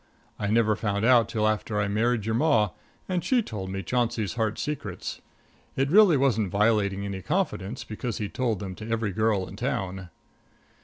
I never found out till after I married your Ma, and she told me Chauncey's heart secrets. It really wasn't violating any confidence, because he'd told them to every girl in town.